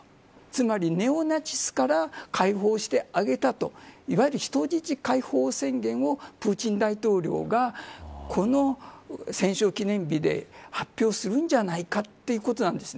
つまりネオナチスから解放してあげたといわゆる人質解放宣言をプーチン大統領がこの戦勝記念日で発表するんじゃないかということなんです。